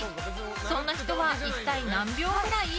そんな人は一体何秒ぐらい？